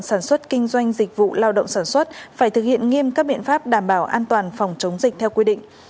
sản xuất kinh doanh dịch vụ lao động sản xuất phải thực hiện nghiêm các biện pháp đảm bảo an toàn phòng chống dịch theo quy định